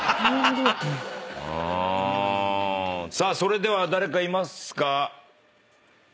さあそれでは誰かいますか？